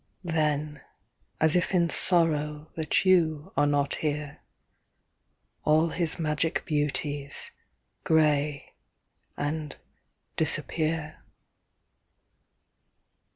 Then, as if in sorrow That you are not here, All his magic beauties Gray and disappear.